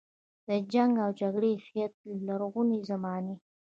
د جنګ او جګړې هیت له لرغونې زمانې.